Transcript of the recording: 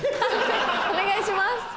判定お願いします。